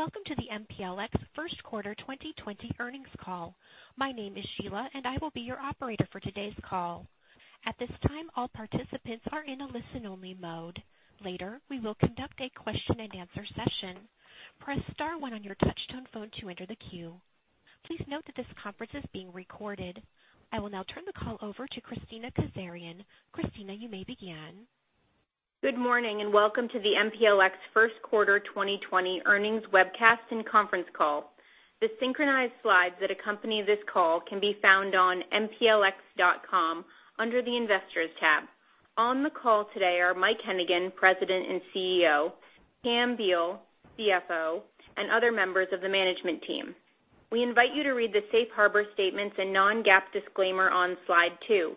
Welcome to the MPLX first quarter 2020 earnings call. My name is Sheila, and I will be your operator for today's call. At this time, all participants are in a listen-only mode. Later, we will conduct a question and answer session. Press star one on your touch-tone phone to enter the queue. Please note that this conference is being recorded. I will now turn the call over to Kristina Kazarian. Kristina, you may begin. Good morning, welcome to the MPLX first quarter 2020 earnings webcast and conference call. The synchronized slides that accompany this call can be found on mplx.com under the Investors tab. On the call today are Mike Hennigan, President and CEO, Pam Beall, CFO, and other members of the management team. We invite you to read the safe harbor statements and non-GAAP disclaimer on Slide two.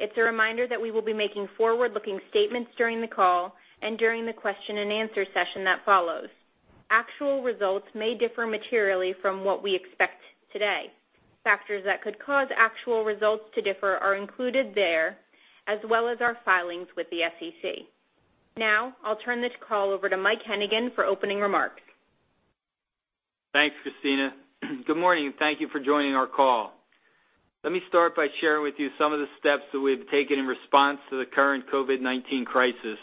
It's a reminder that we will be making forward-looking statements during the call and during the question and answer session that follows. Actual results may differ materially from what we expect today. Factors that could cause actual results to differ are included there, as well as our filings with the SEC. Now, I'll turn this call over to Mike Hennigan for opening remarks. Thanks, Kristina. Good morning, and thank you for joining our call. Let me start by sharing with you some of the steps that we've taken in response to the current COVID-19 crisis,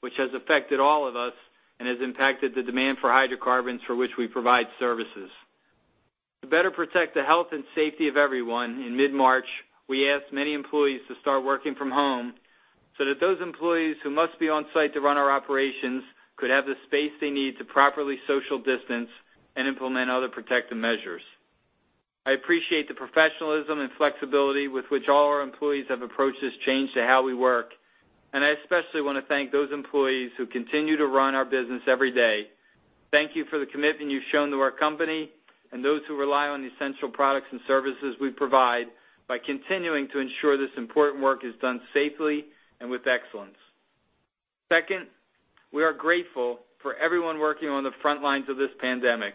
which has affected all of us and has impacted the demand for hydrocarbons for which we provide services. To better protect the health and safety of everyone, in mid-March, we asked many employees to start working from home so that those employees who must be on-site to run our operations could have the space they need to properly social distance and implement other protective measures. I appreciate the professionalism and flexibility with which all our employees have approached this change to how we work, and I especially want to thank those employees who continue to run our business every day. Thank you for the commitment you've shown to our company and those who rely on the essential products and services we provide by continuing to ensure this important work is done safely and with excellence. Second, we are grateful for everyone working on the front lines of this pandemic.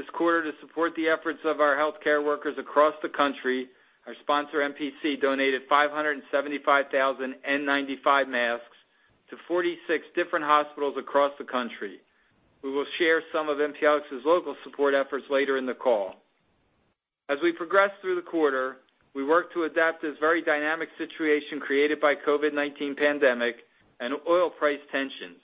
This quarter, to support the efforts of our healthcare workers across the country, our sponsor, MPC, donated 575,000 N95 masks to 46 different hospitals across the country. We will share some of MPLX's local support efforts later in the call. As we progress through the quarter, we work to adapt to this very dynamic situation created by COVID-19 pandemic and oil price tensions.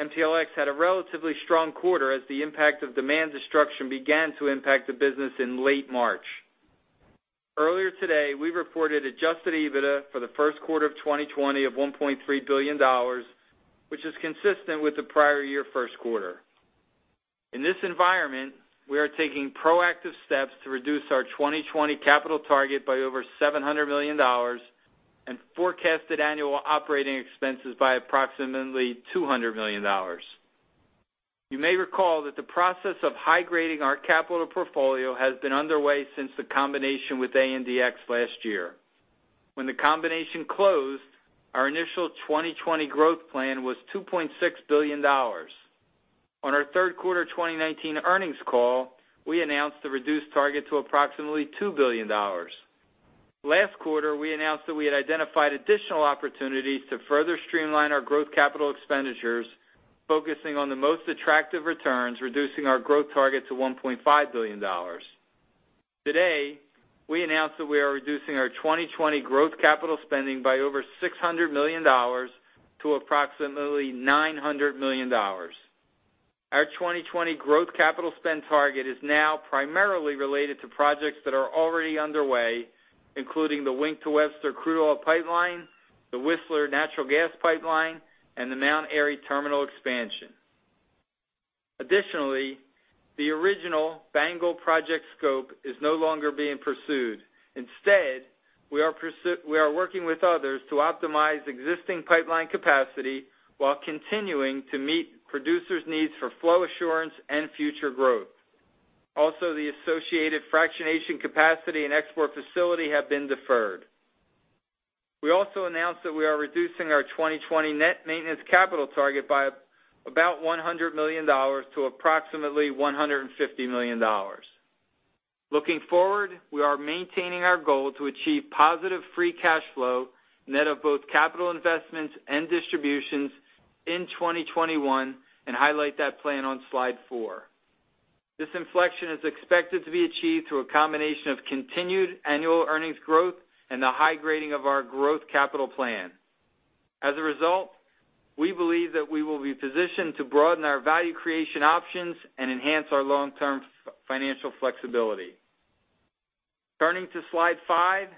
MPLX had a relatively strong quarter as the impact of demand destruction began to impact the business in late March. Earlier today, we reported adjusted EBITDA for the first quarter of 2020 of $1.3 billion, which is consistent with the prior year first quarter. In this environment, we are taking proactive steps to reduce our 2020 capital target by over $700 million and forecasted annual operating expenses by approximately $200 million. You may recall that the process of high-grading our capital portfolio has been underway since the combination with ANDX last year. When the combination closed, our initial 2020 growth plan was $2.6 billion. On our third quarter 2019 earnings call, we announced the reduced target to approximately $2 billion. Last quarter, we announced that we had identified additional opportunities to further streamline our growth capital expenditures, focusing on the most attractive returns, reducing our growth target to $1.5 billion. Today, we announced that we are reducing our 2020 growth capital spending by over $600 million to approximately $900 million. Our 2020 growth capital spend target is now primarily related to projects that are already underway, including the Wink to Webster crude oil pipeline, the Whistler natural gas pipeline, and the Mount Airy terminal expansion. The original BANGL project scope is no longer being pursued. We are working with others to optimize existing pipeline capacity while continuing to meet producers' needs for flow assurance and future growth. The associated fractionation capacity and export facility have been deferred. We also announced that we are reducing our 2020 net maintenance capital target by about $100 million to approximately $150 million. Looking forward, we are maintaining our goal to achieve positive free cash flow, net of both capital investments and distributions in 2021, and highlight that plan on Slide 4. This inflection is expected to be achieved through a combination of continued annual earnings growth and the high grading of our growth capital plan. As a result, we believe that we will be positioned to broaden our value creation options and enhance our long-term financial flexibility. Turning to Slide five,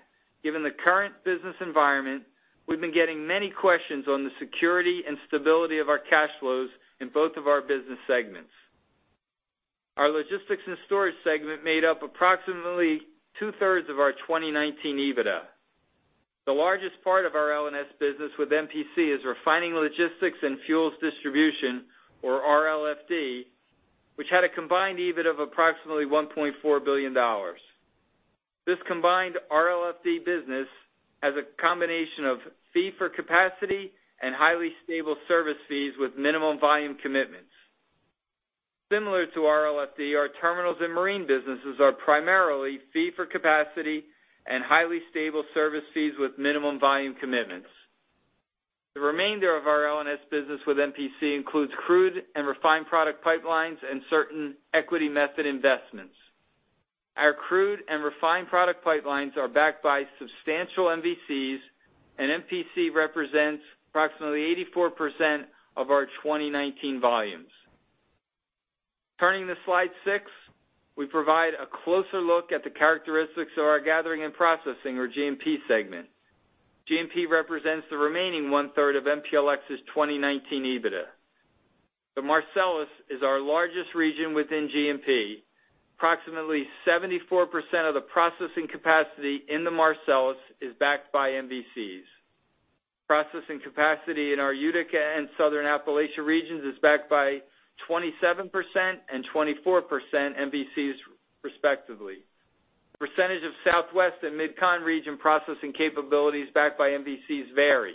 given the current business environment, we've been getting many questions on the security and stability of our cash flows in both of our business segments. Our Logistics and Storage segment made up approximately two-thirds of our 2019 EBITDA. The largest part of our L&S business with MPC is refining logistics and fuels distribution, or RLFD, which had a combined EBIT of approximately $1.4 billion. This combined RLFD business has a combination of fee for capacity and highly stable service fees with Minimum Volume Commitments. Similar to RLFD, our terminals and marine businesses are primarily fee for capacity and highly stable service fees with minimum volume commitments. The remainder of our L&S business with MPC includes crude and refined product pipelines and certain equity method investments. Our crude and refined product pipelines are backed by substantial MVCs, and MPC represents approximately 84% of our 2019 volumes. Turning to slide six, we provide a closer look at the characteristics of our gathering and processing, or G&P segment. G&P represents the remaining one-third of MPLX's 2019 EBITDA. The Marcellus is our largest region within G&P. Approximately 74% of the processing capacity in the Marcellus is backed by MVCs. Processing capacity in our Utica and Southern Appalachia regions is backed by 27% and 24% MVCs respectively. Percentage of Southwest and MidCon region processing capabilities backed by MVCs vary.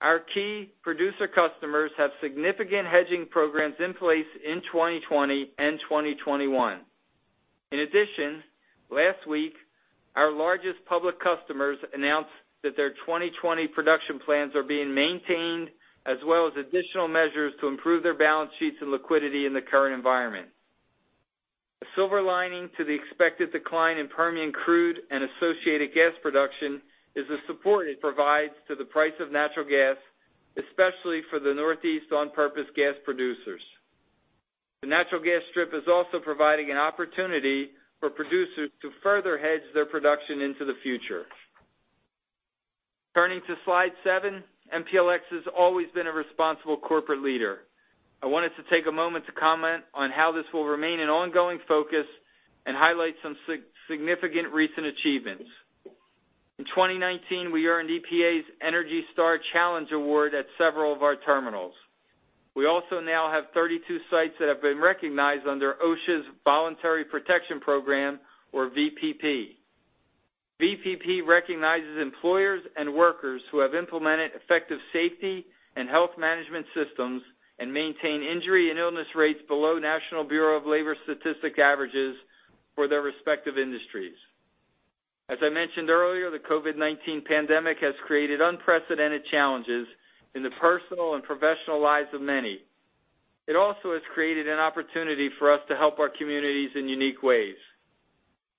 Our key producer customers have significant hedging programs in place in 2020 and 2021. In addition, last week, our largest public customers announced that their 2020 production plans are being maintained, as well as additional measures to improve their balance sheets and liquidity in the current environment. A silver lining to the expected decline in Permian crude and associated gas production is the support it provides to the price of natural gas, especially for the Northeast on-purpose gas producers. The natural gas strip is also providing an opportunity for producers to further hedge their production into the future. Turning to slide seven, MPLX has always been a responsible corporate leader. I wanted to take a moment to comment on how this will remain an ongoing focus and highlight some significant recent achievements. In 2019, we earned EPA's ENERGY STAR Challenge Award at several of our terminals. We also now have 32 sites that have been recognized under OSHA's Voluntary Protection Program, or VPP. VPP recognizes employers and workers who have implemented effective safety and health management systems and maintain injury and illness rates below National Bureau of Labor Statistics averages for their respective industries. As I mentioned earlier, the COVID-19 pandemic has created unprecedented challenges in the personal and professional lives of many. It also has created an opportunity for us to help our communities in unique ways.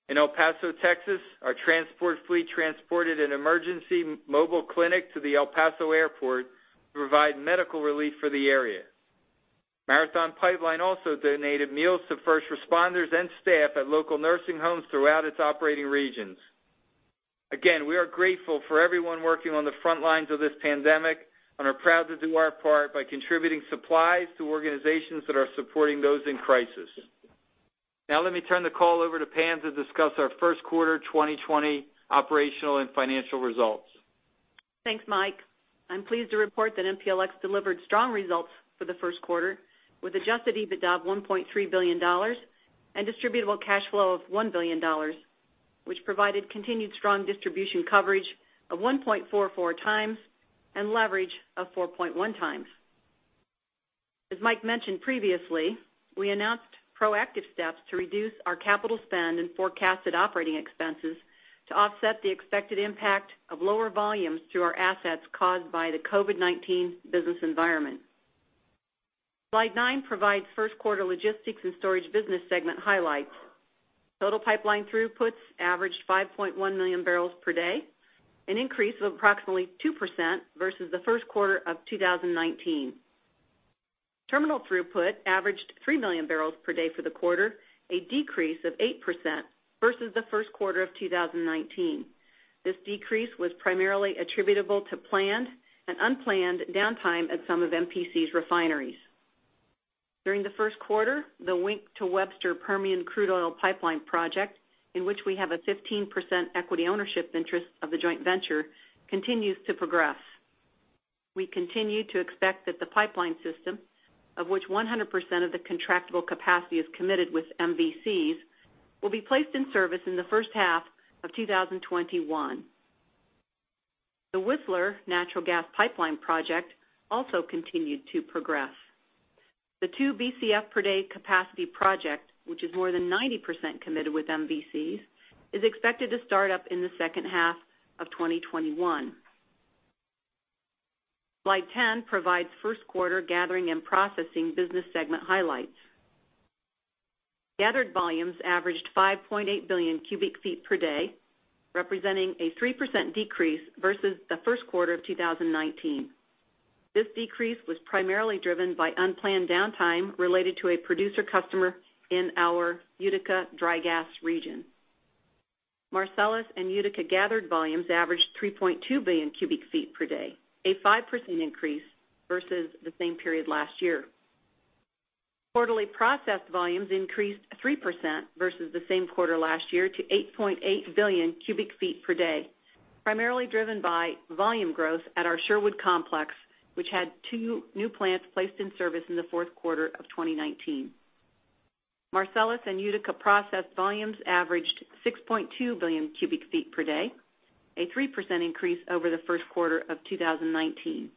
In El Paso, Texas, our transport fleet transported an emergency mobile clinic to the El Paso Airport to provide medical relief for the area. Marathon Pipe Line also donated meals to first responders and staff at local nursing homes throughout its operating regions. Again, we are grateful for everyone working on the front lines of this pandemic and are proud to do our part by contributing supplies to organizations that are supporting those in crisis. Now let me turn the call over to Pam to discuss our first quarter 2020 operational and financial results. Thanks, Mike. I'm pleased to report that MPLX delivered strong results for the first quarter with adjusted EBITDA of $1.3 billion and distributable cash flow of $1 billion, which provided continued strong distribution coverage of 1.44 times and leverage of 4.1 times. As Mike mentioned previously, we announced proactive steps to reduce our capital spend and forecasted operating expenses to offset the expected impact of lower volumes to our assets caused by the COVID-19 business environment. Slide nine provides first quarter Logistics and Storage business segment highlights. Total pipeline throughputs averaged 5.1 million barrels per day, an increase of approximately 2% versus the first quarter of 2019. Terminal throughput averaged 3 million barrels per day for the quarter, a decrease of 8% versus the first quarter of 2019. This decrease was primarily attributable to planned and unplanned downtime at some of MPC's refineries. During the first quarter, the Wink to Webster Permian Crude Oil Pipeline project, in which we have a 15% equity ownership interest of the joint venture, continues to progress. We continue to expect that the pipeline system, of which 100% of the contractable capacity is committed with MVCs, will be placed in service in the first half of 2021. The Whistler Natural Gas Pipeline project also continued to progress. The 2 BCF per day capacity project, which is more than 90% committed with MVCs, is expected to start up in the second half of 2021. Slide 10 provides first quarter Gathering and Processing business segment highlights. Gathered volumes averaged 5.8 billion cubic feet per day, representing a 3% decrease versus the first quarter of 2019. This decrease was primarily driven by unplanned downtime related to a producer customer in our Utica dry gas region. Marcellus and Utica gathered volumes averaged 3.2 billion cubic feet per day, a 5% increase versus the same period last year. Quarterly processed volumes increased 3% versus the same quarter last year to 8.8 billion cubic feet per day, primarily driven by volume growth at our Sherwood Complex, which had two new plants placed in service in the fourth quarter of 2019. Marcellus and Utica processed volumes averaged 6.2 billion cubic feet per day, a 3% increase over the first quarter of 2019.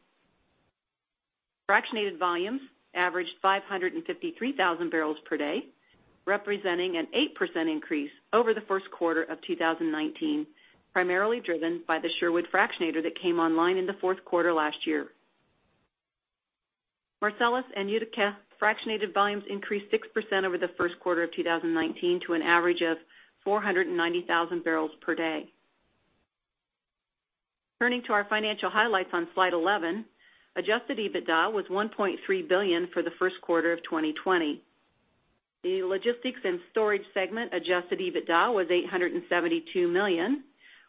Fractionated volumes averaged 553,000 barrels per day, representing an 8% increase over the first quarter of 2019, primarily driven by the Sherwood Fractionator that came online in the fourth quarter last year. Marcellus and Utica fractionated volumes increased 6% over the first quarter of 2019 to an average of 490,000 barrels per day. Turning to our financial highlights on slide 11. Adjusted EBITDA was $1.3 billion for the first quarter of 2020. The Logistics and Storage segment adjusted EBITDA was $872 million,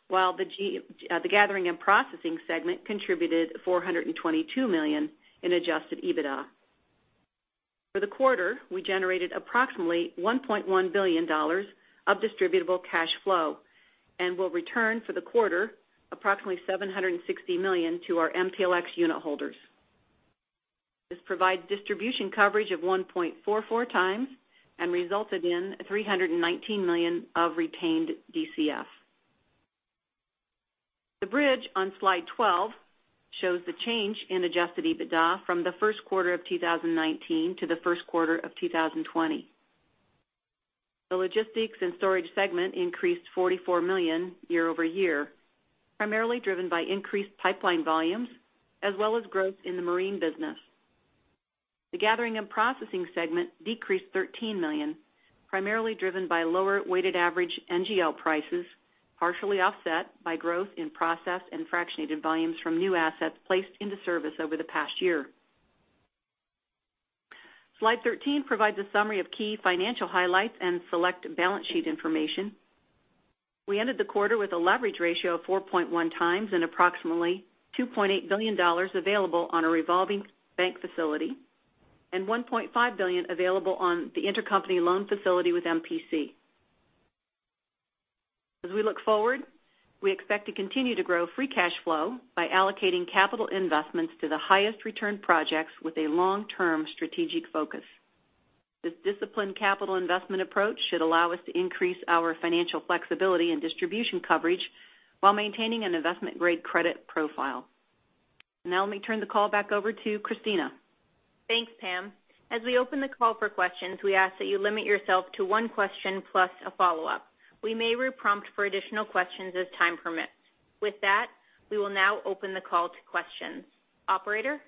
while the Gathering and Processing segment contributed $422 million in adjusted EBITDA. For the quarter, we generated approximately $1.1 billion of distributable cash flow and will return for the quarter approximately $760 million to our MPLX unit holders. This provides distribution coverage of 1.44 times and resulted in $319 million of retained DCF. The bridge on slide 12 shows the change in adjusted EBITDA from the first quarter of 2019 to the first quarter of 2020. The Logistics and Storage segment increased $44 million year-over-year, primarily driven by increased pipeline volumes as well as growth in the marine business. The Gathering and Processing segment decreased $13 million, primarily driven by lower weighted average NGL prices, partially offset by growth in process and fractionated volumes from new assets placed into service over the past year. Slide 13 provides a summary of key financial highlights and select balance sheet information. We ended the quarter with a leverage ratio of 4.1 times and approximately $2.8 billion available on a revolving bank facility and $1.5 billion available on the intercompany loan facility with MPC. We look forward, we expect to continue to grow free cash flow by allocating capital investments to the highest return projects with a long-term strategic focus. This disciplined capital investment approach should allow us to increase our financial flexibility and distribution coverage while maintaining an investment-grade credit profile. Now, let me turn the call back over to Christine. Thanks, Pam. As we open the call for questions, we ask that you limit yourself to one question plus a follow-up. We may re-prompt for additional questions as time permits. With that, we will now open the call to questions. Operator?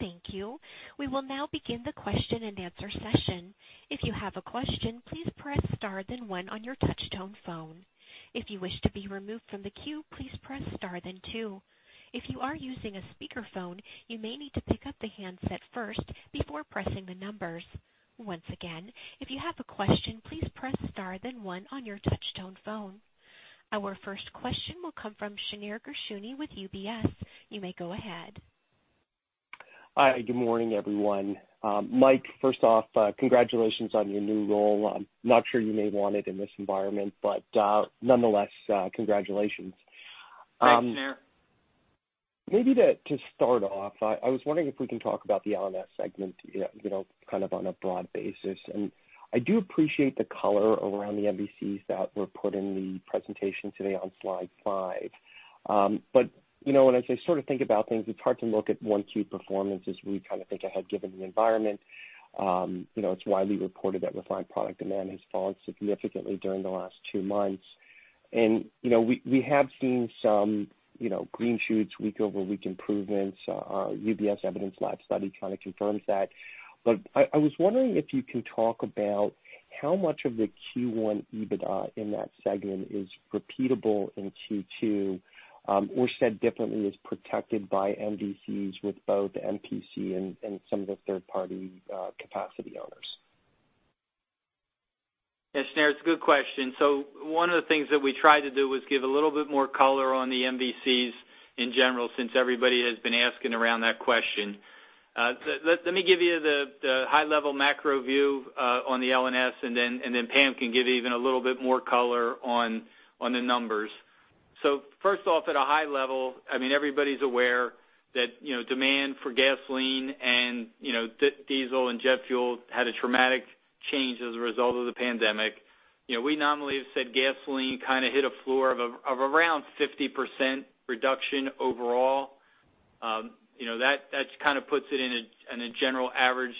Thank you. We will now begin the question and answer session. If you have a question, please press star then one on your touch tone phone. If you wish to be removed from the queue, please press star then two. If you are using a speakerphone, you may need to pick up the handset first before pressing the numbers. Once again, if you have a question, please press star then one on your touch tone phone. Our first question will come from Shneur Gershuni with UBS. You may go ahead. Hi. Good morning, everyone. Mike, first off, congratulations on your new role. I'm not sure you may want it in this environment, nonetheless, congratulations. Thanks, Shneur. Maybe to start off, I was wondering if we can talk about the L&S segment on a broad basis. I do appreciate the color around the MVCs that were put in the presentation today on slide five. When I think about things, it's hard to look at one, two performances. We think ahead given the environment. It's widely reported that refined product demand has fallen significantly during the last two months. We have seen some green shoots week-over-week improvements. Our UBS Evidence Lab study kind of confirms that. I was wondering if you can talk about how much of the Q1 EBITDA in that segment is repeatable in Q2, or said differently, is protected by MVCs with both MPC and some of the third-party capacity owners. Yeah, Shneur, it's a good question. One of the things that we tried to do was give a little bit more color on the MVCs in general since everybody has been asking around that question. Let me give you the high-level macro view on the L&S. Pam can give even a little bit more color on the numbers. First off, at a high level, everybody's aware that demand for gasoline and diesel and jet fuel had a dramatic change as a result of the pandemic. We nominally have said gasoline kind of hit a floor of around 50% reduction overall. That kind of puts it in a general average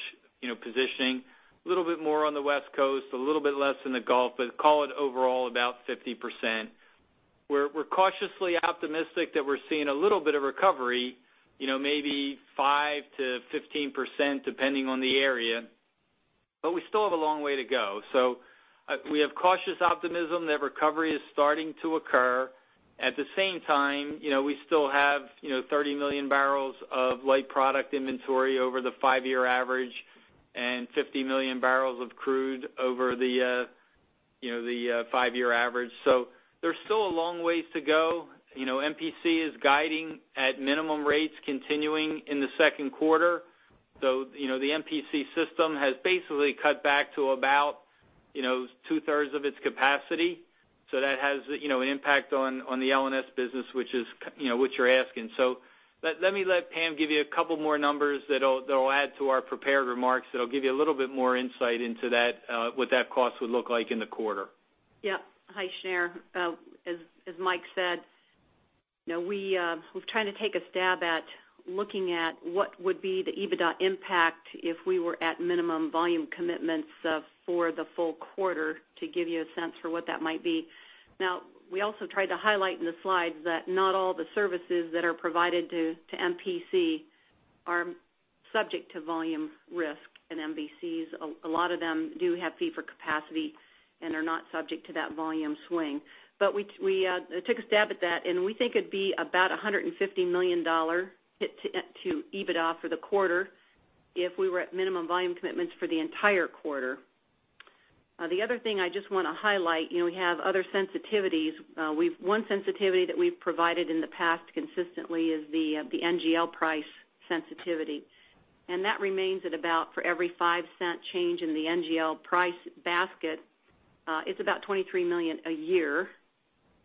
positioning, a little bit more on the West Coast, a little bit less in the Gulf, call it overall about 50%. We're cautiously optimistic that we're seeing a little bit of recovery, maybe 5%-15%, depending on the area, but we still have a long way to go. We have cautious optimism that recovery is starting to occur. At the same time, we still have 30 million barrels of light product inventory over the five-year average and 50 million barrels of crude over the five-year average. There's still a long way to go. MPC is guiding at minimum rates continuing in the second quarter. The MPC system has basically cut back to about two-thirds of its capacity. That has an impact on the L&S business, which you're asking. Let me let Pam give you a couple more numbers that'll add to our prepared remarks that'll give you a little bit more insight into what that cost would look like in the quarter. Hi, Shneur. As Mike said, we've tried to take a stab at looking at what would be the EBITDA impact if we were at minimum volume commitments for the full quarter to give you a sense for what that might be. We also tried to highlight in the slides that not all the services that are provided to MPC are subject to volume risk and MVCs. A lot of them do have fee for capacity and are not subject to that volume swing. We took a stab at that, and we think it'd be about $150 million hit to EBITDA for the quarter if we were at minimum volume commitments for the entire quarter. The other thing I just want to highlight, we have other sensitivities. One sensitivity that we've provided in the past consistently is the NGL price sensitivity, that remains at about for every $0.05 change in the NGL price basket, it's about $23 million a year.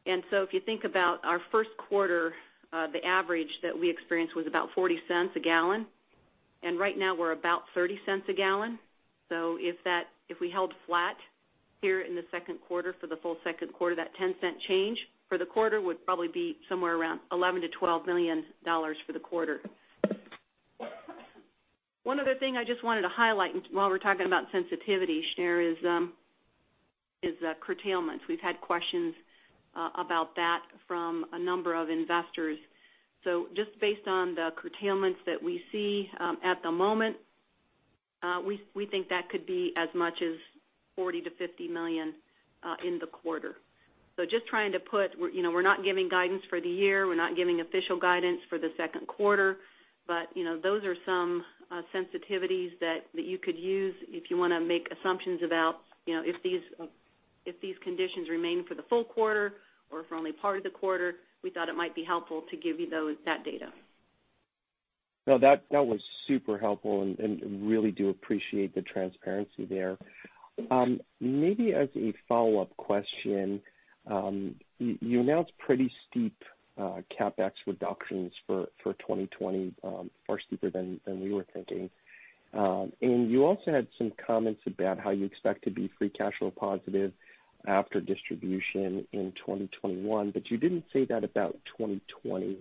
If you think about our first quarter, the average that we experienced was about $0.40 a gallon, and right now we're about $0.30 a gallon. If we held flat here in the second quarter for the full second quarter, that $0.10 change for the quarter would probably be somewhere around $11 million-$12 million for the quarter. One other thing I just wanted to highlight while we're talking about sensitivity, Shneur, is curtailments. We've had questions about that from a number of investors. Just based on the curtailments that we see at the moment, we think that could be as much as $40 million-$50 million in the quarter. We're not giving guidance for the year. We're not giving official guidance for the second quarter. Those are some sensitivities that you could use if you want to make assumptions about if these conditions remain for the full quarter or for only part of the quarter, we thought it might be helpful to give you that data. No, that was super helpful. Really do appreciate the transparency there. Maybe as a follow-up question, you announced pretty steep CapEx reductions for 2020, far steeper than we were thinking. You also had some comments about how you expect to be free cash flow positive after distribution in 2021, but you didn't say that about 2020.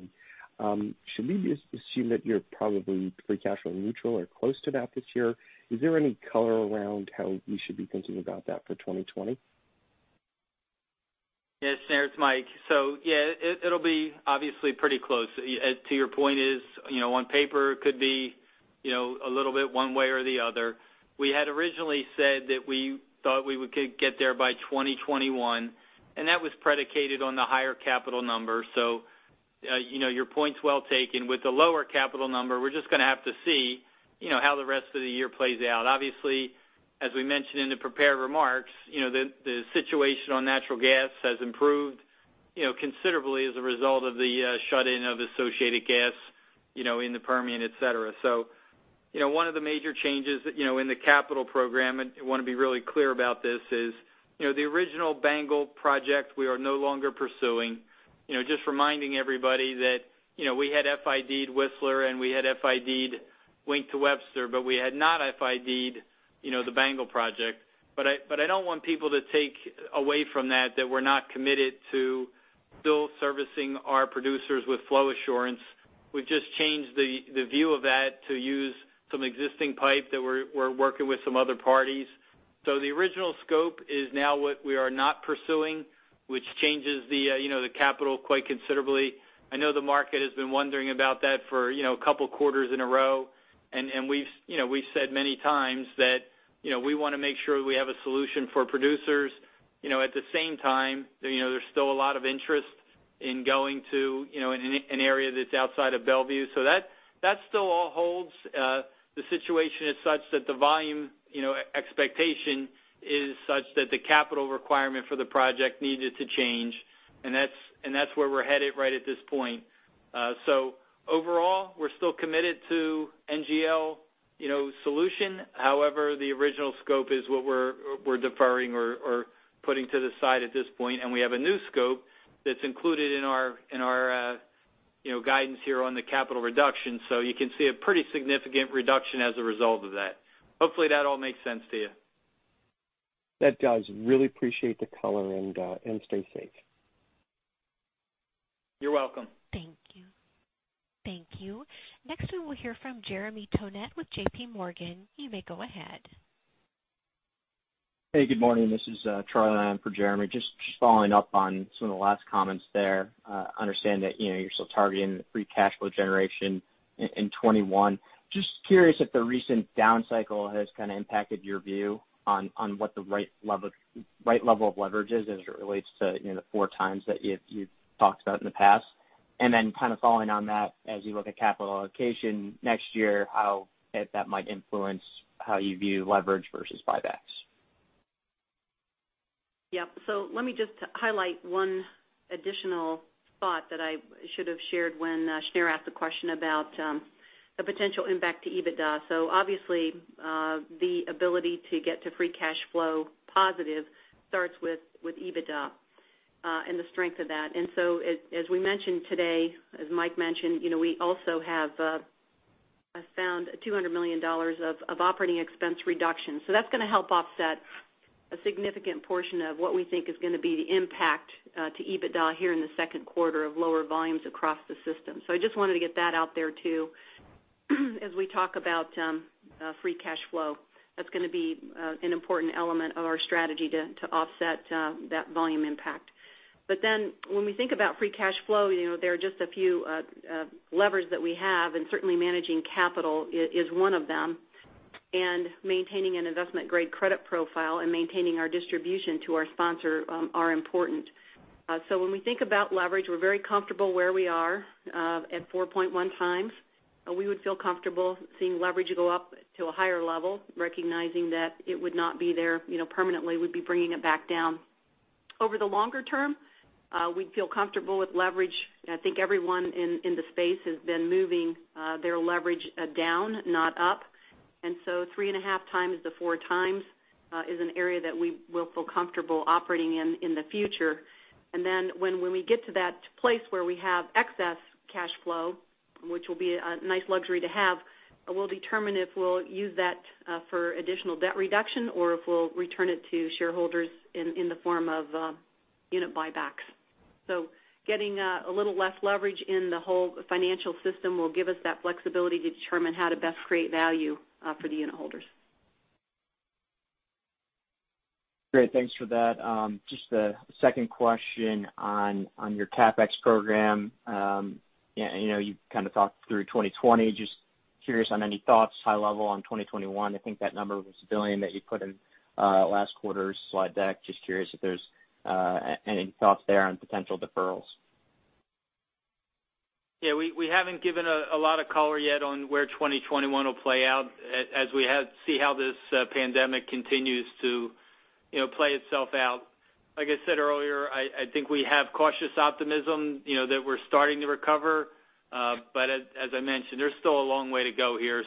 Should we just assume that you're probably free cash flow neutral or close to that this year? Is there any color around how we should be thinking about that for 2020? Yes, Shneur, it's Mike. Yeah, it'll be obviously pretty close. To your point is, on paper, it could be a little bit one way or the other. We had originally said that we thought we could get there by 2021, and that was predicated on the higher capital number. Your point's well taken. With the lower capital number, we're just going to have to see how the rest of the year plays out. Obviously, as we mentioned in the prepared remarks, the situation on natural gas has improved considerably as a result of the shut-in of associated gas in the Permian, et cetera. One of the major changes in the capital program, and I want to be really clear about this, is the original BANGL project we are no longer pursuing. Just reminding everybody that we had FID'd Whistler and we had FID'd Wink to Webster, but we had not FID'd the BANGL project. I don't want people to take away from that we're not committed to still servicing our producers with flow assurance. We've just changed the view of that to use some existing pipe that we're working with some other parties. The original scope is now what we are not pursuing, which changes the capital quite considerably. I know the market has been wondering about that for a couple of quarters in a row, and we've said many times that we want to make sure we have a solution for producers. At the same time, there's still a lot of interest in going to an area that's outside of Beaumont. That still all holds. The situation is such that the volume expectation is such that the capital requirement for the project needed to change, and that's where we're headed right at this point. Overall, we're still committed to NGL solution. However, the original scope is what we're deferring or putting to the side at this point, and we have a new scope that's included in our guidance here on the capital reduction. You can see a pretty significant reduction as a result of that. Hopefully, that all makes sense to you. That does. Really appreciate the color and stay safe. You're welcome. Thank you. Next, we will hear from Jeremy Tonet with J.P. Morgan. You may go ahead. Hey, good morning. This is Charlie for Jeremy. Just following up on some of the last comments there. I understand that you're still targeting free cash flow generation in 2021. Just curious if the recent down cycle has kind of impacted your view on what the right level of leverage is as it relates to the four times that you've talked about in the past. Then kind of following on that, as you look at capital allocation next year, how that might influence how you view leverage versus buybacks. Yeah. Let me just highlight one additional spot that I should have shared when Shneur asked the question about the potential impact to EBITDA. Obviously, the ability to get to free cash flow positive starts with EBITDA and the strength of that. As we mentioned today, as Mike mentioned, we also have found a $200 million of operating expense reduction. That's going to help offset a significant portion of what we think is going to be the impact to EBITDA here in the second quarter of lower volumes across the system. I just wanted to get that out there too as we talk about free cash flow. That's going to be an important element of our strategy to offset that volume impact. When we think about free cash flow, there are just a few levers that we have, and certainly managing capital is one of them. Maintaining an investment-grade credit profile and maintaining our distribution to our sponsor are important. When we think about leverage, we're very comfortable where we are at 4.1x. We would feel comfortable seeing leverage go up to a higher level, recognizing that it would not be there permanently. We'd be bringing it back down. Over the longer- term, we'd feel comfortable with leverage. I think everyone in the space has been moving their leverage down, not up. 3.5x-4x is an area that we will feel comfortable operating in the future. When we get to that place where we have excess cash flow, which will be a nice luxury to have, we'll determine if we'll use that for additional debt reduction or if we'll return it to shareholders in the form of unit buybacks. Getting a little less leverage in the whole financial system will give us that flexibility to determine how to best create value for the unitholders. Great. Thanks for that. A second question on your CapEx program. You kind of talked through 2020. Curious on any thoughts, high level on 2021. I think that number was $1 billion that you put in last quarter's slide deck. Curious if there's any thoughts there on potential deferrals. We haven't given a lot of color yet on where 2021 will play out as we see how this pandemic continues to play itself out. Like I said earlier, I think we have cautious optimism that we're starting to recover. As I mentioned, there's still a long way to go here.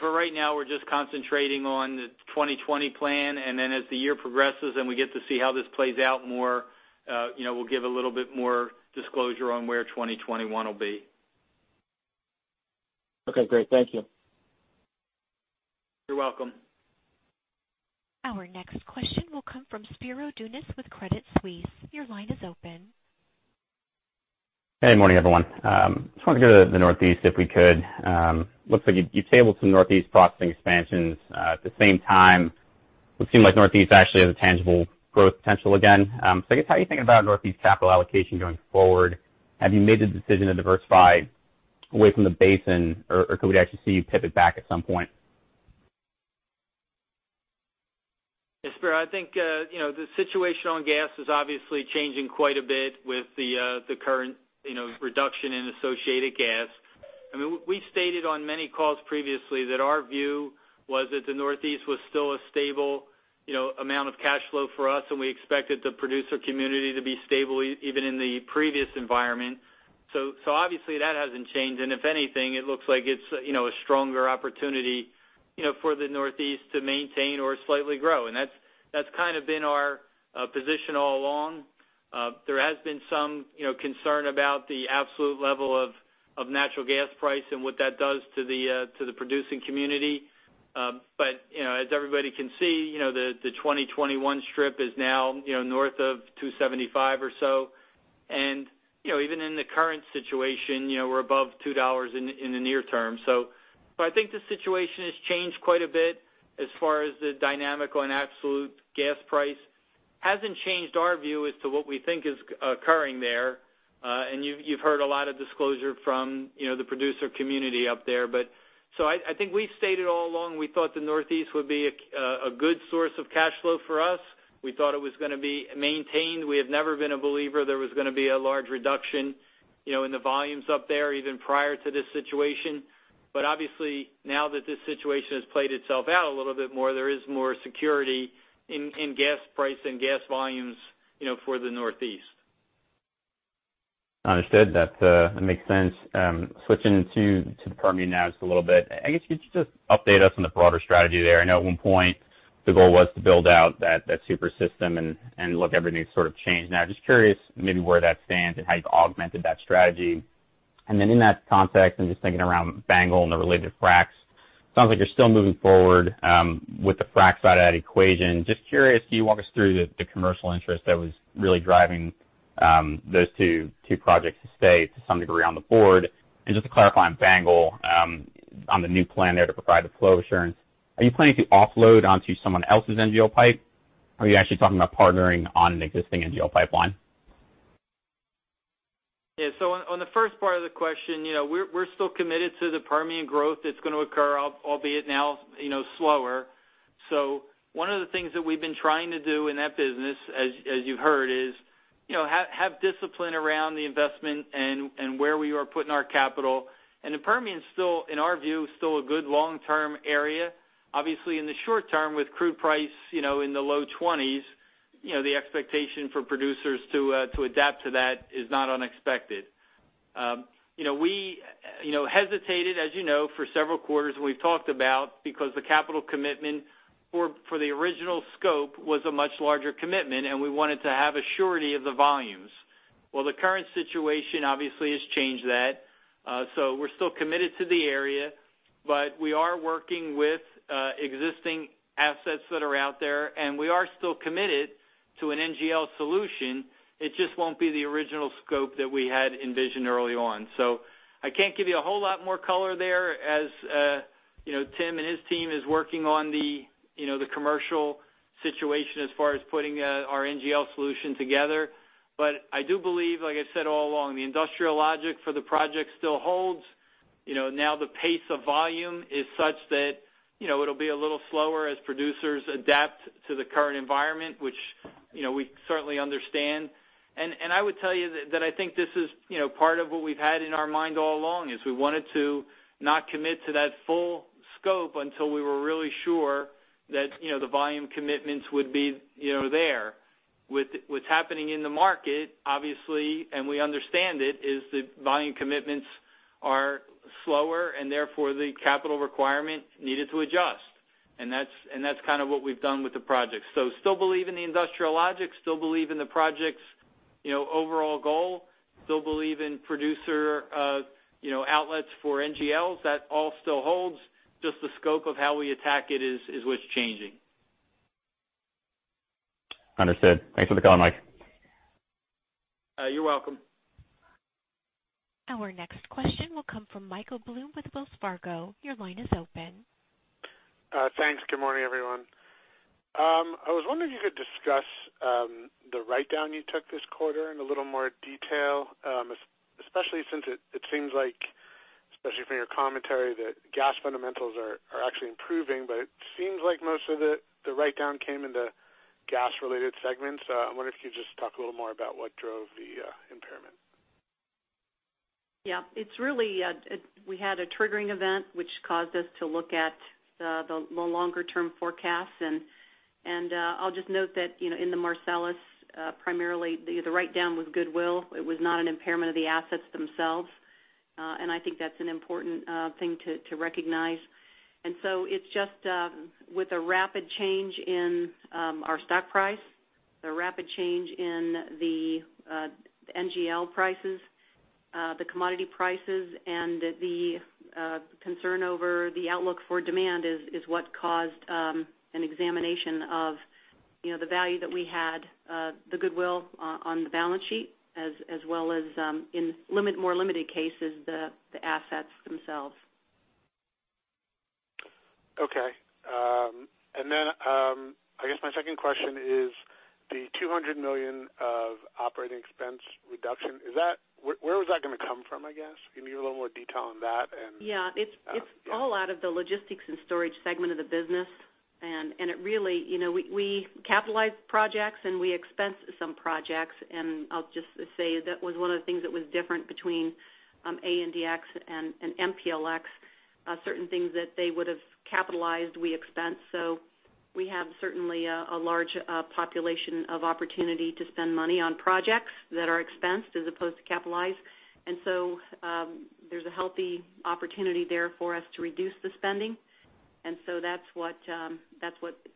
For right now, we're just concentrating on the 2020 plan. As the year progresses and we get to see how this plays out more, we'll give a little bit more disclosure on where 2021 will be. Okay, great. Thank you. You're welcome. Our next question will come from Spiro Dounis with Credit Suisse. Your line is open. Hey, morning, everyone. Just wanted to go to the Northeast if we could. Looks like you tabled some Northeast processing expansions. At the same time, it would seem like Northeast actually has a tangible growth potential again. I guess how are you thinking about Northeast capital allocation going forward? Have you made the decision to diversify away from the basin, or could we actually see you pivot back at some point? Yeah, Spiro, I think the situation on gas is obviously changing quite a bit with the current reduction in associated gas. We stated on many calls previously that our view was that the Northeast was still a stable amount of cash flow for us, and we expected the producer community to be stable even in the previous environment. Obviously, that hasn't changed. If anything, it looks like it's a stronger opportunity for the Northeast to maintain or slightly grow. That's kind of been our position all along. There has been some concern about the absolute level of natural gas price and what that does to the producing community. As everybody can see, the 2021 strip is now north of $2.75 or so. Even in the current situation, we're above $2 in the near- term. I think the situation has changed quite a bit as far as the dynamic on absolute gas price. It hasn't changed our view as to what we think is occurring there. You've heard a lot of disclosure from the producer community up there. I think we stated all along, we thought the Northeast would be a good source of cash flow for us. We thought it was going to be maintained. We have never been a believer there was going to be a large reduction in the volumes up there even prior to this situation. Obviously, now that this situation has played itself out a little bit more, there is more security in gas price and gas volumes for the Northeast. Understood. That makes sense. Switching to the Permian now just a little bit. I guess could you just update us on the broader strategy there? I know at one point the goal was to build out that super system, everything's sort of changed now. Just curious maybe where that stands and how you've augmented that strategy. In that context, I'm just thinking around BANGL and the related fracs. Sounds like you're still moving forward with the frac side of that equation. Just curious, can you walk us through the commercial interest that was really driving those two projects to stay, to some degree, on the board? To clarify on BANGL, on the new plan there to provide the flow assurance, are you planning to offload onto someone else's NGL pipe? Are you actually talking about partnering on an existing NGL pipeline? Yeah. On the first part of the question, we're still committed to the Permian growth that's going to occur, albeit now slower. One of the things that we've been trying to do in that business, as you know, is have discipline around the investment and where we are putting our capital. The Permian's, in our view, still a good long-term area. Obviously, in the short- term with crude price in the low 20s, the expectation for producers to adapt to that is not unexpected. We hesitated, as you know, for several quarters, and we've talked about because the capital commitment for the original scope was a much larger commitment, and we wanted to have a surety of the volumes. Well, the current situation obviously has changed that. We're still committed to the area, but we are working with existing assets that are out there, and we are still committed to an NGL solution. It just won't be the original scope that we had envisioned early on. I can't give you a whole lot more color there, as Tim and his team is working on the commercial situation as far as putting our NGL solution together. I do believe, like I said all along, the industrial logic for the project still holds. Now the pace of volume is such that it'll be a little slower as producers adapt to the current environment, which we certainly understand. I would tell you that I think this is part of what we've had in our mind all along, is we wanted to not commit to that full scope until we were really sure that the volume commitments would be there. With what's happening in the market, obviously, and we understand it, is that volume commitments are slower, therefore the capital requirement needed to adjust. That's kind of what we've done with the project. Still believe in the industrial logic, still believe in the project's overall goal. Still believe in producer outlets for NGLs. That all still holds. Just the scope of how we attack it is what's changing. Understood. Thanks for the call, Mike. You're welcome. Our next question will come from Michael Blum with Wells Fargo. Your line is open. Thanks. Good morning, everyone. I was wondering if you could discuss the write-down you took this quarter in a little more detail. Especially since it seems like, especially from your commentary, that gas fundamentals are actually improving, it seems like most of the write-down came in the gas-related segments. I wonder if you could just talk a little more about what drove the impairment. We had a triggering event which caused us to look at the longer-term forecasts, and I'll just note that in the Marcellus, primarily the write-down was goodwill. It was not an impairment of the assets themselves. I think that's an important thing to recognize. It's just with a rapid change in our stock price, a rapid change in the NGL prices, the commodity prices, and the concern over the outlook for demand is what caused an examination of the value that we had, the goodwill on the balance sheet, as well as in more limited cases, the assets themselves. Okay. Then I guess my second question is the $200 million of operating expense reduction. Where was that going to come from, I guess? Give me a little more detail on that. Yeah. It's all out of the Logistics and Storage segment of the business. We capitalize projects. We expense some projects. I'll just say that was one of the things that was different between ANDX and MPLX. Certain things that they would have capitalized, we expense. We have certainly a large population of opportunity to spend money on projects that are expensed as opposed to capitalized. There's a healthy opportunity there for us to reduce the spending. That's what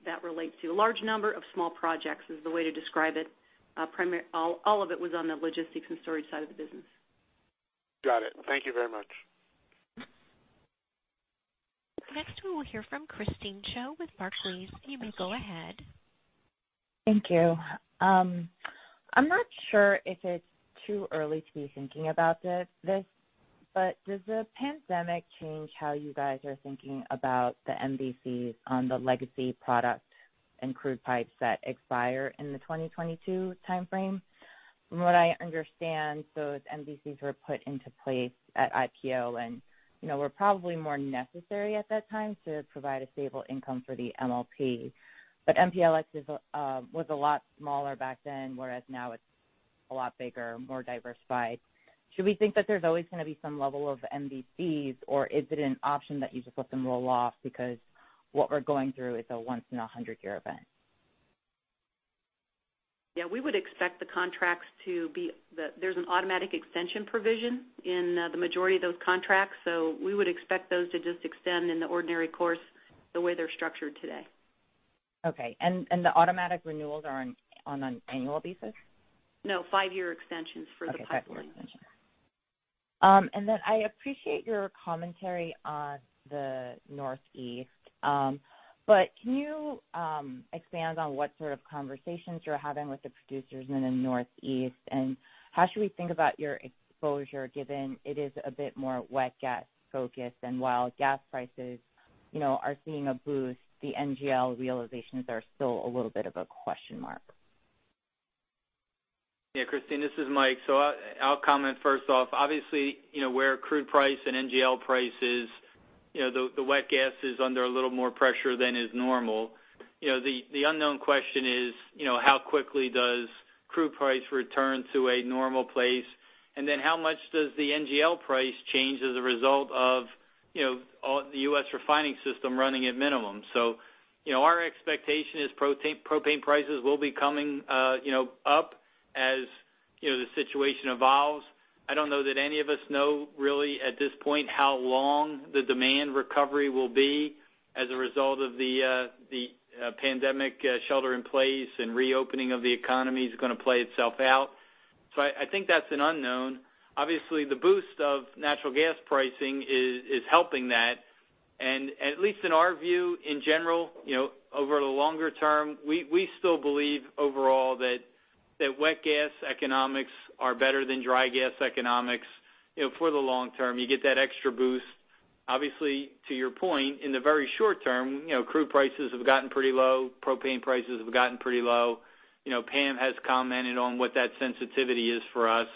that relates to. A large number of small projects is the way to describe it. All of it was on the Logistics and Storage side of the business. Got it. Thank you very much. Next we will hear from Christine Cho with Barclays. You may go ahead. Thank you. I'm not sure if it's too early to be thinking about this, does the pandemic change how you guys are thinking about the MVCs on the legacy product and crude pipes that expire in the 2022 timeframe? From what I understand, those MVCs were put into place at IPO and were probably more necessary at that time to provide a stable income for the MLP. MPLX was a lot smaller back then, whereas now it's a lot bigger, more diversified. Should we think that there's always going to be some level of MVCs, or is it an option that you just let them roll off because what we're going through is a once in 100-year event? There's an automatic extension provision in the majority of those contracts. We would expect those to just extend in the ordinary course the way they're structured today. Okay, the automatic renewals are on an annual basis? No, five-year extensions for the pipelines. Okay. Five-year extension. I appreciate your commentary on the Northeast. Can you expand on what sort of conversations you're having with the producers in the Northeast, and how should we think about your exposure, given it is a bit more wet gas focused than while gas prices are seeing a boost, the NGL realizations are still a little bit of a question mark? Yeah, Christine, this is Mike. I'll comment first off. Obviously, where crude price and NGL prices, the wet gas is under a little more pressure than is normal. The unknown question is how quickly does crude price return to a normal place? How much does the NGL price change as a result of the U.S. refining system running at minimum? Our expectation is propane prices will be coming up as the situation evolves. I don't know that any of us know really at this point how long the demand recovery will be as a result of the pandemic shelter in place and reopening of the economy is going to play itself out. I think that's an unknown. Obviously, the boost of natural gas pricing is helping that. At least in our view, in general, over the longer- term, we still believe overall that wet gas economics are better than dry gas economics. For the long- term, you get that extra boost. Obviously, to your point, in the very short- term, crude prices have gotten pretty low, propane prices have gotten pretty low. Pam has commented on what that sensitivity is for us.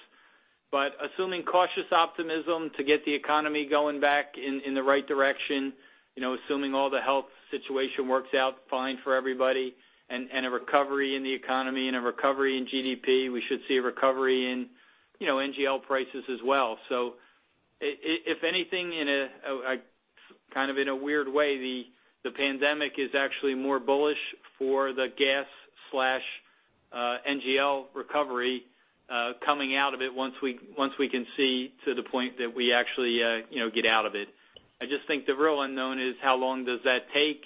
Assuming cautious optimism to get the economy going back in the right direction, assuming all the health situation works out fine for everybody and a recovery in the economy and a recovery in GDP, we should see a recovery in NGL prices as well. If anything, in a weird way, the pandemic is actually more bullish for the gas/NGL recovery coming out of it once we can see to the point that we actually get out of it. I just think the real unknown is how long does that take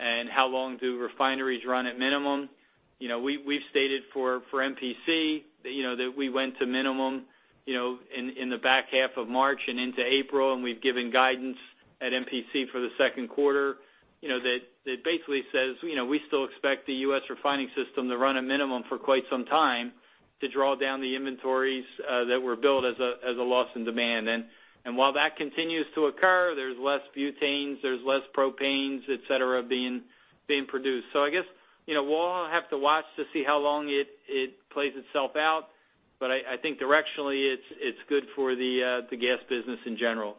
and how long do refineries run at minimum. We've stated for MPC that we went to minimum in the back half of March and into April, and we've given guidance at MPC for the second quarter that basically says we still expect the U.S. refining system to run a minimum for quite some time to draw down the inventories that were built as a loss in demand. While that continues to occur, there's less butanes, there's less propanes, et cetera, being produced. I guess, we'll all have to watch to see how long it plays itself out. I think directionally, it's good for the gas business in general.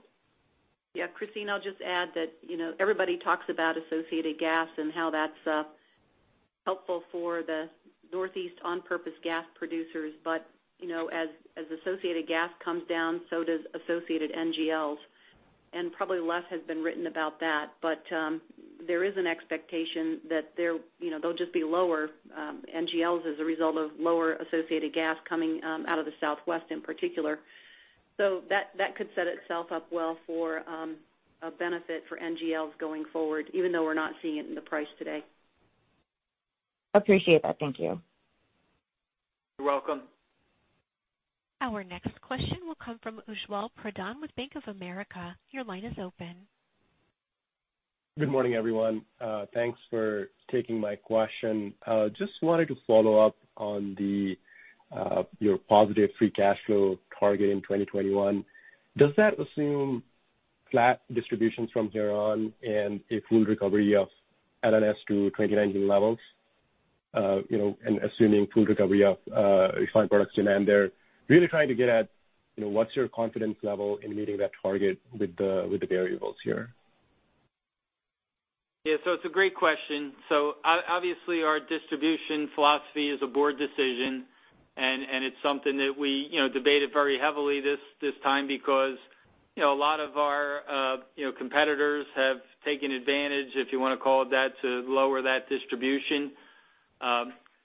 Yeah, Kristina, I'll just add that everybody talks about associated gas and how that's helpful for the Northeast on-purpose gas producers. As associated gas comes down, so does associated NGLs. Probably less has been written about that. There is an expectation that they'll just be lower NGLs as a result of lower associated gas coming out of the Southwest in particular. That could set itself up well for a benefit for NGLs going forward, even though we're not seeing it in the price today. Appreciate that. Thank you. You're welcome. Our next question will come from Ujjwal Pradhan with Bank of America. Your line is open. Good morning, everyone. Thanks for taking my question. Wanted to follow up on your positive free cash flow target in 2021. Does that assume flat distributions from here on and a full recovery of L&S to 2019 levels? Assuming full recovery of refined products demand there. Really trying to get at what's your confidence level in meeting that target with the variables here? Yeah. It's a great question. Obviously, our distribution philosophy is a board decision, and it's something that we debated very heavily this time because a lot of our competitors have taken advantage, if you want to call it that, to lower that distribution.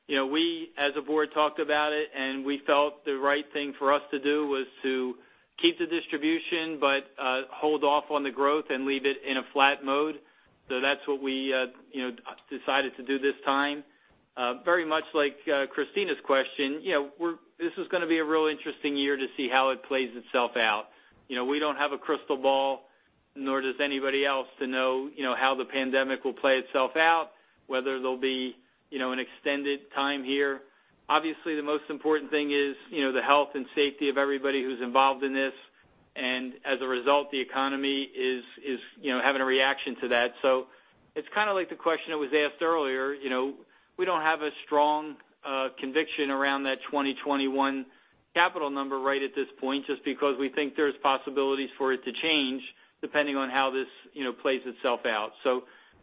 We, as a board, talked about it, and we felt the right thing for us to do was to keep the distribution but hold off on the growth and leave it in a flat mode. That's what we decided to do this time. Very much like Christine's question, this is going to be a real interesting year to see how it plays itself out. We don't have a crystal ball, nor does anybody else to know how the pandemic will play itself out, whether there'll be an extended time here. Obviously, the most important thing is the health and safety of everybody who's involved in this. As a result, the economy is having a reaction to that. It's like the question that was asked earlier. We don't have a strong conviction around that 2021 capital number right at this point, just because we think there's possibilities for it to change depending on how this plays itself out.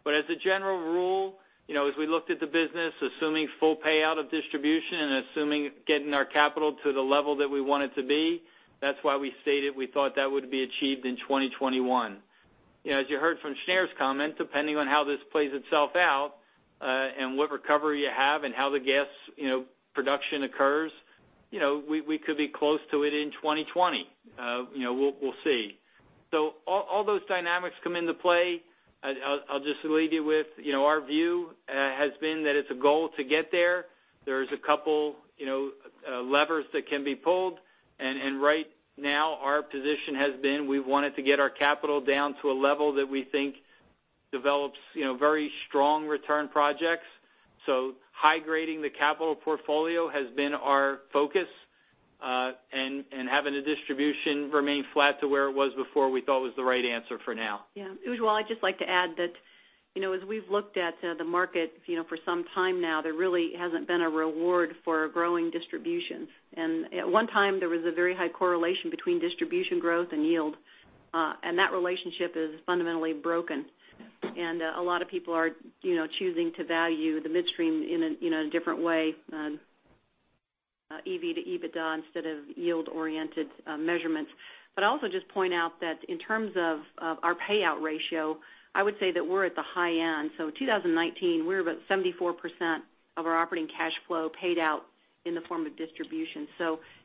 As a general rule, as we looked at the business, assuming full payout of distribution and assuming getting our capital to the level that we want it to be, that's why we stated we thought that would be achieved in 2021. As you heard from Shneur's comment, depending on how this plays itself out and what recovery you have and how the gas production occurs, we could be close to it in 2020. We'll see. All those dynamics come into play. I'll just leave you with our view has been that it's a goal to get there. There's a couple levers that can be pulled, and right now, our position has been we wanted to get our capital down to a level that we think develops very strong return projects. High grading the capital portfolio has been our focus, and having a distribution remain flat to where it was before we thought was the right answer for now. Ujjwal, I'd just like to add that as we've looked at the market for some time now, there really hasn't been a reward for growing distributions. At one time, there was a very high correlation between distribution growth and yield. That relationship is fundamentally broken. A lot of people are choosing to value the midstream in a different way, EV to EBITDA instead of yield-oriented measurements. Also just point out that in terms of our payout ratio, I would say that we're at the high end. 2019, we were about 74% of our operating cash flow paid out in the form of distribution.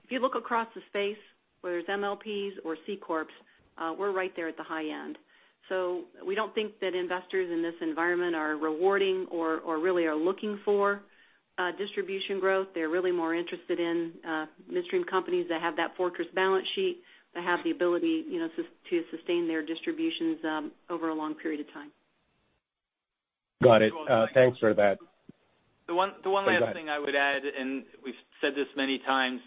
If you look across the space where it's MLPs or C corps, we're right there at the high end. We don't think that investors in this environment are rewarding or really are looking for distribution growth. They're really more interested in midstream companies that have that fortress balance sheet, that have the ability to sustain their distributions over a long period of time. Got it. Thanks for that. The one last thing I would add, and we've said this many times,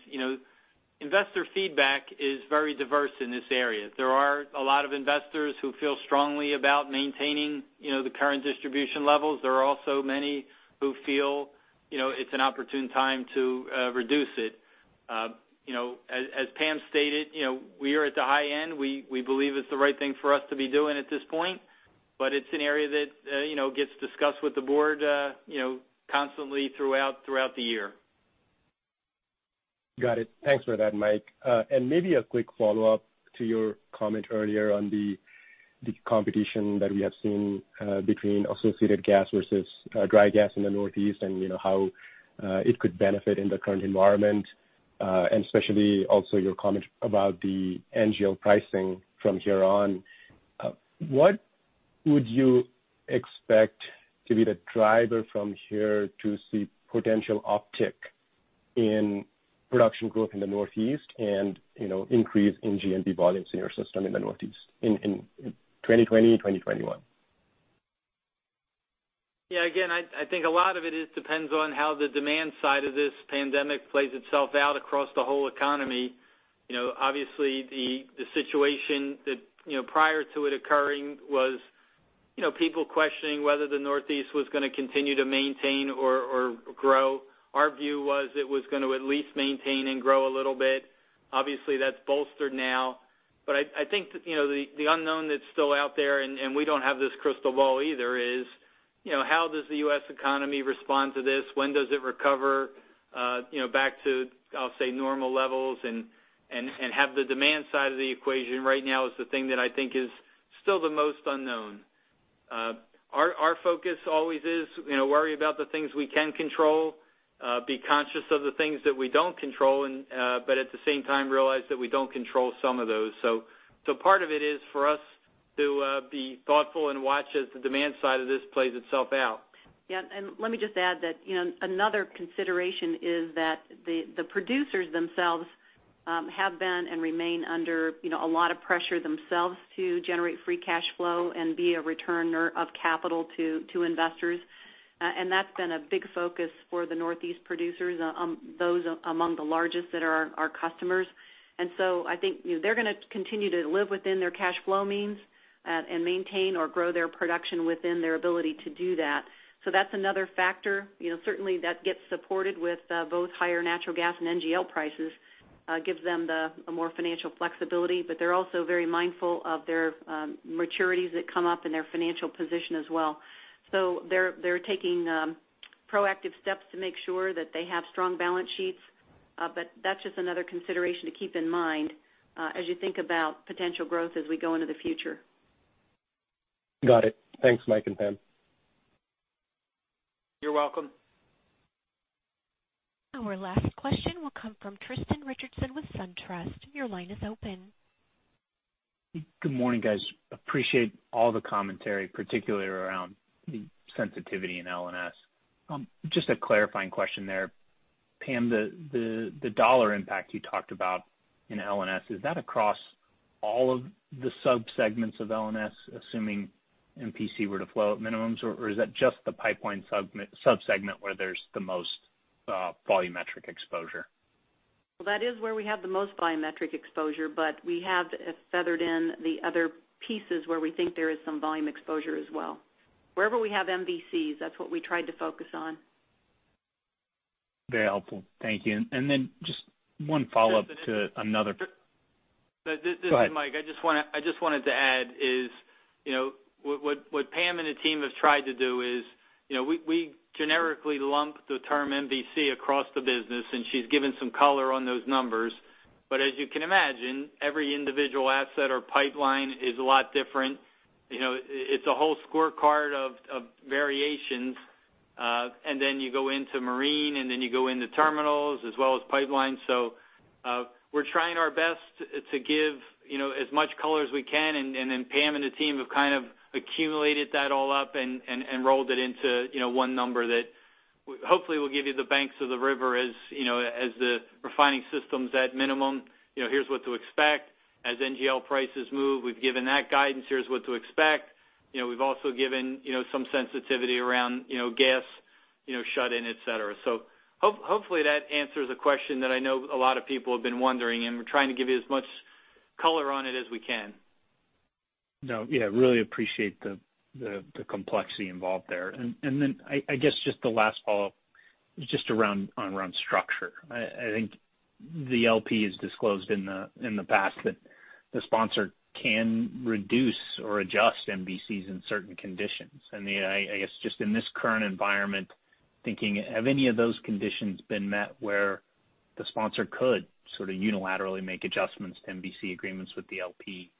investor feedback is very diverse in this area. There are a lot of investors who feel strongly about maintaining the current distribution levels. There are also many who feel it's an opportune time to reduce it. As Pam stated, we are at the high end. We believe it's the right thing for us to be doing at this point. But it's an area that gets discussed with the board constantly throughout the year. Got it. Thanks for that, Mike. Maybe a quick follow-up to your comment earlier on the competition that we have seen between associated gas versus dry gas in the Northeast, and how it could benefit in the current environment. Especially also your comment about the NGL pricing from here on. What would you expect to be the driver from here to see potential uptick in production growth in the Northeast, and increase in G&P volumes in your system in the Northeast in 2020, 2021? Yeah. Again, I think a lot of it depends on how the demand side of this pandemic plays itself out across the whole economy. Obviously, the situation that prior to it occurring was people questioning whether the Northeast was going to continue to maintain or grow. Our view was it was going to at least maintain and grow a little bit. Obviously, that's bolstered now. I think the unknown that's still out there, and we don't have this crystal ball either, is how does the U.S. economy respond to this? When does it recover back to, I'll say, normal levels and have the demand side of the equation right now is the thing that I think is still the most unknown. Our focus always is worry about the things we can control, be conscious of the things that we don't control, but at the same time realize that we don't control some of those. Part of it is for us to be thoughtful and watch as the demand side of this plays itself out. Yeah. Let me just add that another consideration is that the producers themselves have been and remain under a lot of pressure themselves to generate free cash flow and be a returner of capital to investors. That's been a big focus for the Northeast producers, those among the largest that are our customers. I think they're going to continue to live within their cash flow means and maintain or grow their production within their ability to do that. That's another factor. Certainly, that gets supported with both higher natural gas and NGL prices, gives them a more financial flexibility, but they're also very mindful of their maturities that come up in their financial position as well. They're taking proactive steps to make sure that they have strong balance sheets. That's just another consideration to keep in mind as you think about potential growth as we go into the future. Got it. Thanks, Mike and Pam. You're welcome. Our last question will come from Tristan Richardson with SunTrust. Your line is open. Good morning, guys. Appreciate all the commentary, particularly around sensitivity in L&S. Just a clarifying question there. Pam, the dollar impact you talked about in L&S, is that across all of the subsegments of L&S, assuming MPC were to flow at minimums, or is that just the pipeline subsegment where there's the most volumetric exposure? That is where we have the most volumetric exposure, but we have feathered in the other pieces where we think there is some volume exposure as well. Wherever we have MVCs, that is what we tried to focus on. Very helpful. Thank you. Then just one follow-up. This is Mike. Go ahead. I just wanted to add is what Pam and the team have tried to do is we generically lump the term MVC across the business, and she's given some color on those numbers. As you can imagine, every individual asset or pipeline is a lot different. It's a whole scorecard of variations. Then you go into marine, then you go into terminals as well as pipelines. We're trying our best to give as much color as we can, then Pam and the team have accumulated that all up and rolled it into one number that hopefully will give you the banks of the river as the refining system's at minimum. Here's what to expect. As NGL prices move, we've given that guidance. Here's what to expect. We've also given some sensitivity around gas shut in, et cetera. Hopefully that answers a question that I know a lot of people have been wondering, and we're trying to give you as much color on it as we can. No, yeah, really appreciate the complexity involved there. I guess just the last follow-up is just around structure. I think the LP has disclosed in the past that the sponsor can reduce or adjust MVCs in certain conditions. I guess just in this current environment thinking, have any of those conditions been met where the sponsor could unilaterally make adjustments to MVC agreements with the LP?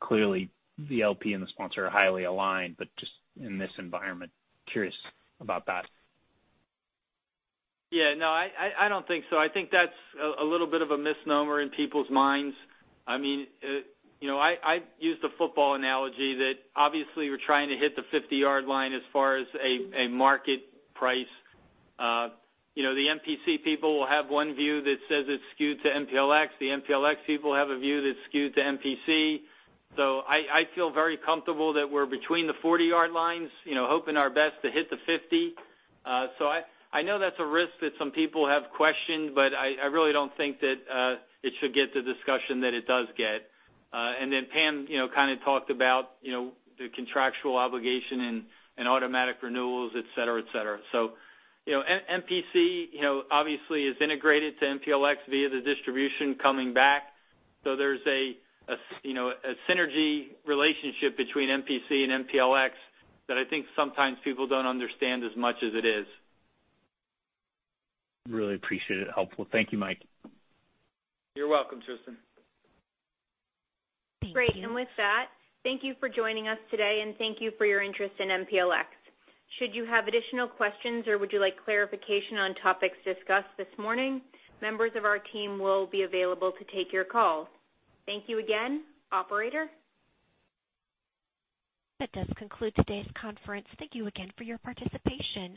Clearly, the LP and the sponsor are highly aligned, but just in this environment, curious about that. No, I don't think so. I think that's a little bit of a misnomer in people's minds. I use the football analogy that obviously we're trying to hit the 50-yard line as far as a market price. The MPC people will have one view that says it's skewed to MPLX. The MPLX people have a view that's skewed to MPC. I feel very comfortable that we're between the 40-yard lines, hoping our best to hit the 50. I know that's a risk that some people have questioned, but I really don't think that it should get the discussion that it does get. Pam kind of talked about the contractual obligation and automatic renewals, et cetera. MPC obviously is integrated to MPLX via the distribution coming back. There's a synergy relationship between MPC and MPLX that I think sometimes people don't understand as much as it is. Really appreciate it. Helpful. Thank you, Mike. You're welcome, Tristan. Thank you. Great. With that, thank you for joining us today, and thank you for your interest in MPLX. Should you have additional questions or would you like clarification on topics discussed this morning, members of our team will be available to take your call. Thank you again. Operator? That does conclude today's conference. Thank you again for your participation.